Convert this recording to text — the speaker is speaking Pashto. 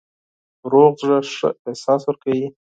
روغ زړه ښه احساس ورکوي.